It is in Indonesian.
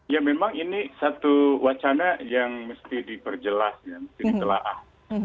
ya memang ini satu wacana yang mesti diperjelas ya mesti ditelaah